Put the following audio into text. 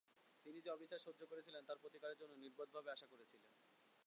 তিনি যে অবিচার সহ্য করেছিলেন তার প্রতিকারের জন্য নির্বোধভাবে আশা করেছিলেন।